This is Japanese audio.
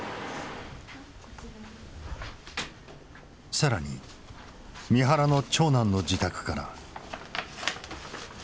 更に三原の長男の自宅からは。